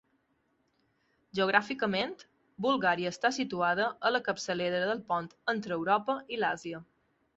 Geogràficament, Bulgària està situada en la capçalera del pont entre Europa i l'Àsia.